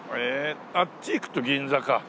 あっちへ行くと銀座か。